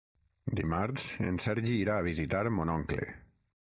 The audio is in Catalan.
Dimarts en Sergi irà a visitar mon oncle.